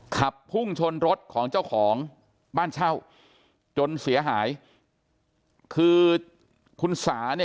ขับพุ่งชนรถของเจ้าของบ้านเช่าจนเสียหายคือคุณสาเนี่ย